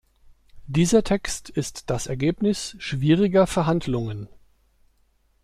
Dieser Text ist das Ergebnis schwieriger Verhandlungen.